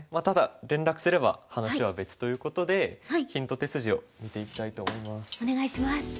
ただ連絡すれば話は別ということでヒント手筋を見ていきたいと思います。